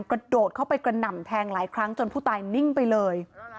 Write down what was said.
กระโดดเข้าไปกระหน่ำแทงหลายครั้งจนผู้ตายนิ่งไปเลย